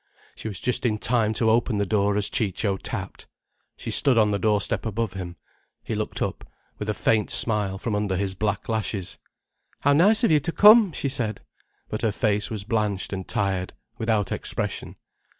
She was just in time to open the door as Ciccio tapped. She stood on the doorstep above him. He looked up, with a faint smile, from under his black lashes. "How nice of you to come," she said. But her face was blanched and tired, without expression.